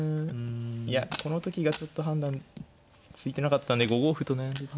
いやこの時がちょっと判断ついてなかったんで５五歩と悩んでた。